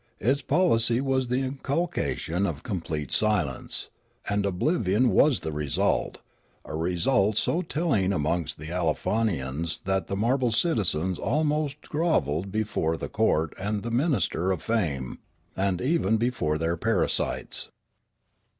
Its policy was the inculcation of complete silence ; and oblivion was the result— a result so telling amongst the Aleofanians that the marble citizens almost grovelled before the court and the minister of fame, and even before their parasites.